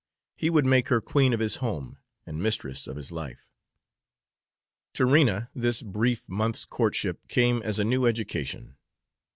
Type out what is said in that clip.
He would make her queen of his home and mistress of his life. To Rena this brief month's courtship came as a new education.